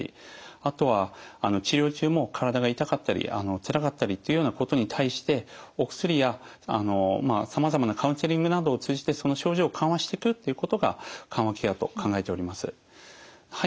あとは治療中も体が痛かったりつらかったりというようなことに対してお薬やさまざまなカウンセリングなどを通じてその症状を緩和してくっていうことが緩和ケアと考えております。